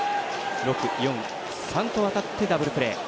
６、４、３と渡ってダブルプレー。